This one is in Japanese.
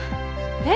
えっ？